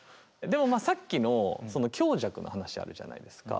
でもまあさっきの強弱の話あるじゃないですか。